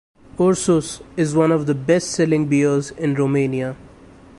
Ursus is one of the best-selling beers in Romania.